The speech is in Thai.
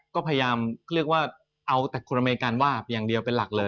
ก็พยายามเรียกว่าเอาแต่คนอเมริกันว่าอย่างเดียวเป็นหลักเลย